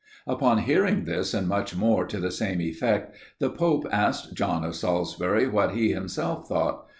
Upon hearing this, and much more to the same effect, the pope asked John of Salisbury what he himself thought?